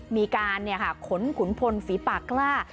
มีการเนี่ยค่ะขนขุนพลฝีปากล่า